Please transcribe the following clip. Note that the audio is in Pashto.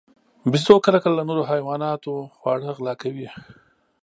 بیزو کله کله له نورو حیواناتو خواړه غلا کوي.